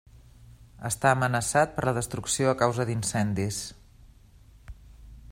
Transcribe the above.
Està amenaçat per la destrucció a causa d'incendis.